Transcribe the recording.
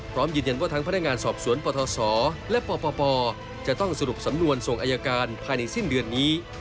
พร้อมยืนยันว่าทั้งพนักงานสอบสวนปทศและปปจะต้องสรุปสำนวนส่งอายการภายในสิ้นเดือนนี้